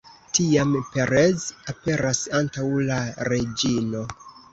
Tiam Perez aperas antaŭ la reĝino.